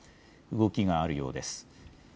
動きがあるようです。